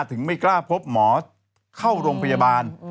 ไม่กล้าพบหมอเข้าโรงพยาบาล